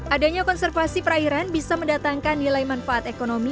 adanya konservasi perairan bisa mendatangkan nilai manfaat ekonomi